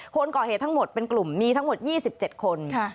คนก่อเหตุทั้งหมดเป็นกลุ่มมีทั้งหมดยี่สิบเจ็ดคนค่ะ